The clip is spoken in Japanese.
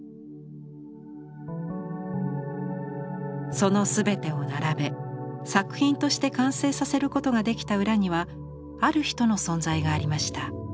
そのすべてを並べ作品として完成させることができた裏にはある人の存在がありました。